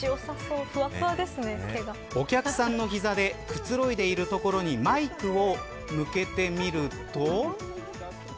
お客さんの膝でくつろいでいるところにマイクを向けてみると。